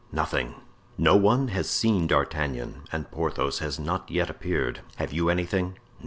"Nothing. No one has seen D'Artagnan and Porthos has not appeared. Have you anything?"